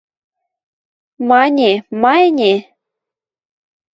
– Мане-ма ӹне?